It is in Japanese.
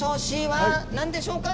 Ｃは何でしょうか？